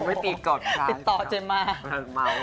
ไปต่อเจมส์มา